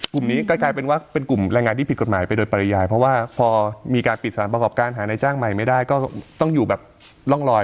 กลุ่มนี้ก็กลายเป็นว่าเป็นกลุ่มแรงงานที่ผิดกฎหมายไปโดยปริยายเพราะว่าพอมีการปิดสถานประกอบการหานายจ้างใหม่ไม่ได้ก็ต้องอยู่แบบร่องรอย